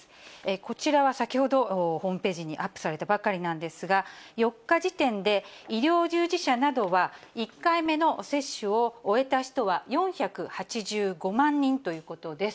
こちらは先ほどホームページにアップされたばかりなんですが、４日時点で、医療従事者などは、１回目の接種を終えた人は４８５万人ということです。